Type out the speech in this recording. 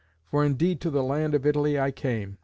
For indeed to the land of Italy I came.